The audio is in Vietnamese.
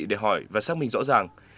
để hỏi và xác minh rõ ràng